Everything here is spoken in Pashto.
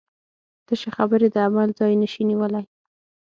تشې خبرې د عمل ځای نشي نیولی.